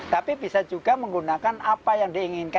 tapi bisa juga menggunakan apa yang diinginkan